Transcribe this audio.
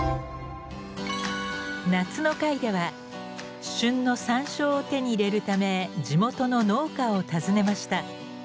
夏の回では旬の山椒を手に入れるため地元の農家を訪ねました。